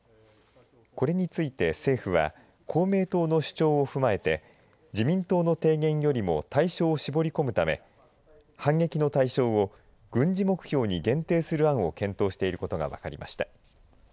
これについて政府は公明党の主張を踏まえて自民党の提言よりも対象を絞り込むため反撃の対象を軍事目標に限定する案を検討していることが分かりました。